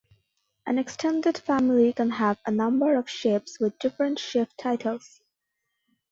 An extended family can have a number of chiefs with different chief titles.